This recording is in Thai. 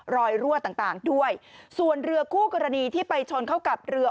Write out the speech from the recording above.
รั่วต่างต่างด้วยส่วนเรือคู่กรณีที่ไปชนเข้ากับเรือ